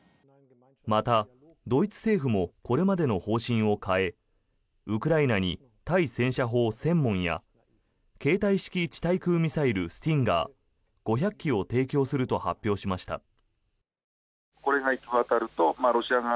また、ドイツ政府もこれまでの方針を変えウクライナに対戦車砲、１０００門や携帯式地対空ミサイルスティンガー、５００基を提供すると発表しました。